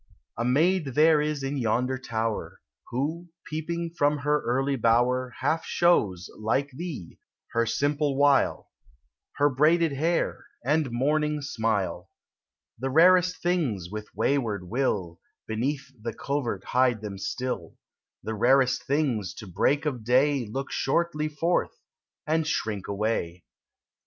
325 A maid there is in yonder tower, Who, peeping from her early bower, Half shows, like thee, her simple wile, Her braided hair and morning smile. The rarest things, with wayward will, Beneath the covert hide them still ; The rarest things to break of day Look shortly forth, and shrink away.